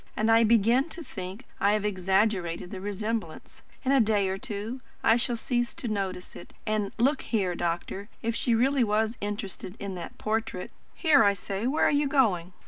And I begin to think I have exaggerated the resemblance. In a day or two, I shall cease to notice it. And, look here, doctor, if she really was interested in that portrait Here, I say where are you going?"